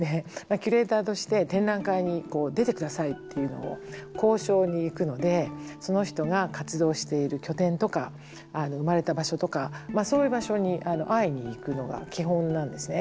キュレーターとして「展覧会に出て下さい」っていうのを交渉に行くのでその人が活動している拠点とか生まれた場所とかまあそういう場所に会いに行くのが基本なんですね。